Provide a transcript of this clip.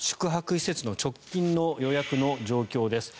宿泊施設の直近の予約の状況です。